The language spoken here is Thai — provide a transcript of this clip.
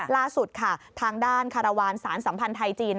ล่าสุดค่ะทางด้านคารวาลสารสัมพันธ์ไทยจีน